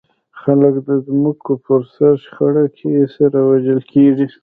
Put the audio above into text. خلک د ځمکو پر سر په شخړه کې سره وژل کېږي.